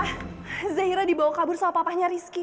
papa zaira dibawa kabur soal papanya rizky